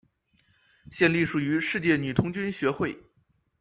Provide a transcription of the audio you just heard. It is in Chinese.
现隶属于世界女童军协会。